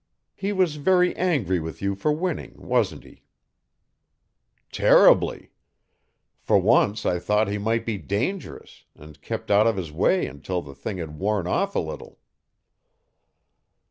He was very angry with you for winning, wasn't he?" "Terribly. For once I thought he might be dangerous and kept out of his way until the thing had worn off a little."